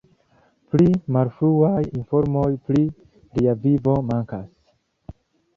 Pli malfruaj informoj pri lia vivo mankas.